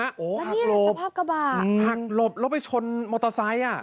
หักหลบหักหลบแล้วไปชนมอเตอร์ไซค์อ่ะหักหลบหักหลบแล้วไปชนมอเตอร์ไซค์